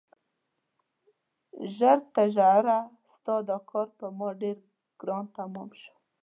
ژر تر ژره ستا دا کار پر ما ډېر ګران تمام شو.